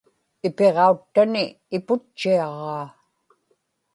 ipiġauttani iputchiaġaa